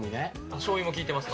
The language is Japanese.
しょうゆも効いてますか。